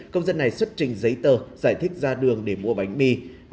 công dân này xuất trình giấy tờ giải thích ra đường để mua bánh mì